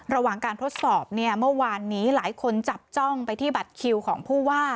ระหว่างการทดสอบเนี่ยเมื่อวานนี้หลายคนจับจ้องไปที่บัตรคิวของผู้ว่า